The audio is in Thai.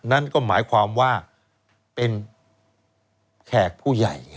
นั่นก็หมายความว่าเป็นแขกผู้ใหญ่